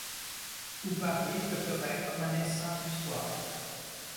Où Paris flotterait comme un essaim du soir !